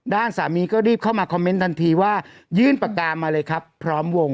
ด้านสามีก็รีบเข้ามาคอมเมนต์ทันทีว่ายื่นปากกามาเลยครับพร้อมวง